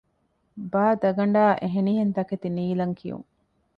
ބާދަގަނޑާއި އެހެނިހެން ތަކެތި ނީލަން ކިޔުން